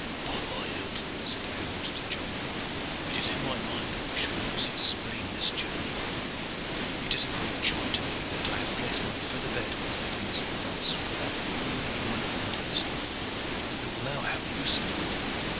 "By my hilt!" said Aylward to John, "it is in my mind that we shall not see Spain this journey. It is a great joy to me that I have placed my feather bed and other things of price with that worthy woman at Lyndhurst, who will now have the use of them.